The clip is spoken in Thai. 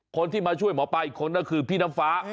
คนที่มาช่วยหมอปลาอีกคนก็คือพี่น้ำฟ้า